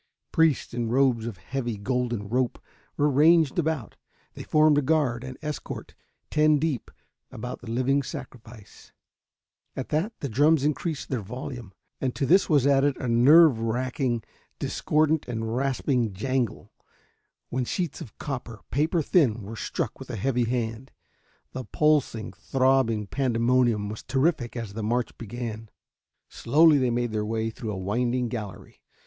Priests, in robes of heavy golden rope, were ranged about; they formed a guard and escort ten deep about the living sacrifice. At that the drums increased their volume, and to this was added a nerve racking, discordant and rasping jangle, when sheets of copper, paper thin, were struck with a heavy hand. The pulsing, throbbing pandemonium was terrific as the march began. Slowly they made their way through a winding gallery.